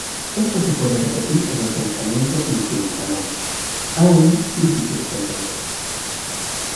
Esto se puede repetir en el pensamiento infinitamente, aún difíciles de entender.